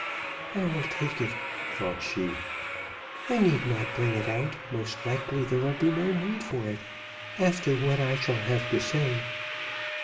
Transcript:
"I will take it," thought she. "I need not bring it out; most likely there will be no need for it, after what I shall have to say.